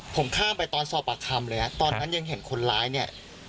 ผมข้ามไปตอนสอบปากคำเลยฮะตอนนั้นยังเห็นคนร้ายเนี่ย